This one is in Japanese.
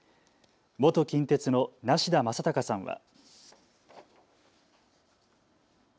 元近鉄の梨田昌孝さんは。